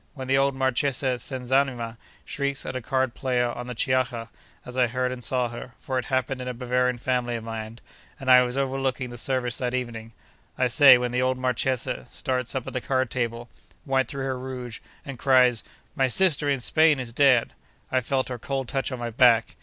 When the old Marchesa Senzanima shrieks at a card party on the Chiaja—as I heard and saw her, for it happened in a Bavarian family of mine, and I was overlooking the service that evening—I say, when the old Marchesa starts up at the card table, white through her rouge, and cries, "My sister in Spain is dead! I felt her cold touch on my back!"